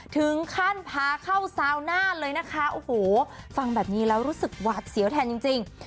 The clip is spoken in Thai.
ถึงขั้นพาเข้าซาวน่าเลยนะคะโอ้โหฟังแบบนี้แล้วรู้สึกหวาดเสียวแทนจริง